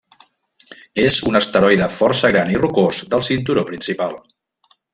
És un asteroide força gran i rocós del cinturó principal.